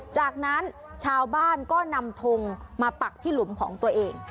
จากนั้นชาวบ้านก็นำทงมาปักที่หลุมของตัวเอง